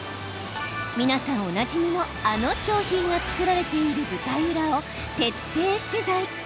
皆さんおなじみのあの商品が作られている舞台裏を徹底取材。